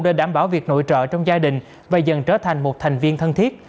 để đảm bảo việc nội trợ trong gia đình và dần trở thành một thành viên thân thiết